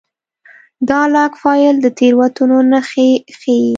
دا لاګ فایل د تېروتنو نښې ښيي.